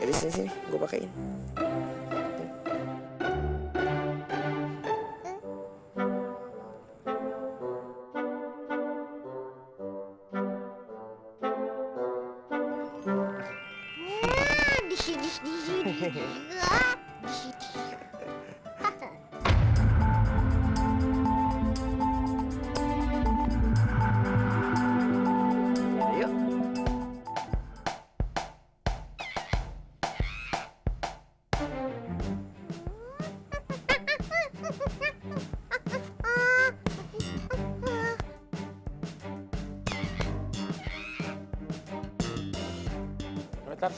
itu dia bapak